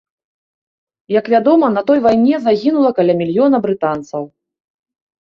Як вядома, на той вайне загінула каля мільёна брытанцаў.